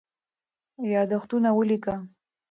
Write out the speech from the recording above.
یادښتونه ولیکه.